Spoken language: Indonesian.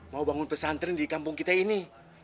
mau bangun pesantren di kampung kita ini